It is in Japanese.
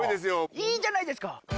いいじゃないですか。